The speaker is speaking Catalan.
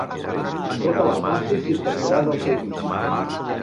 Tota la classe s'infectarà del seu vici.